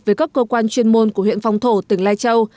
với các cơ quan chuyên môn của huyện phong thổ tỉnh lai châu